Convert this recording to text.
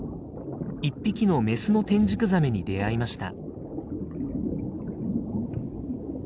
１匹のメスのテンジクザメに出会いました。